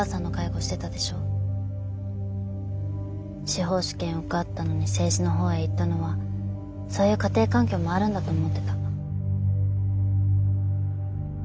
司法試験受かったのに政治の方へ行ったのはそういう家庭環境もあるんだと思ってた。